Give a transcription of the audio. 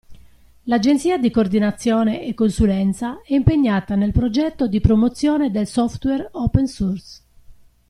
L'agenzia di coordinazione e consulenza è impegnata nel progetto di promozione del software open source.